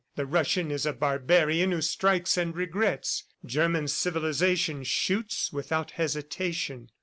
The Russian is a barbarian who strikes and regrets; German civilization shoots without hesitation.